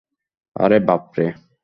আরে, বাপরে!